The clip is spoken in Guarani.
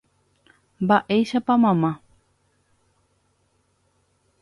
Mba'éichapa mama